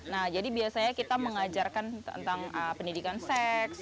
nah jadi biasanya kita mengajarkan tentang pendidikan seks